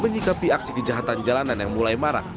menyikapi aksi kejahatan jalanan yang mulai marah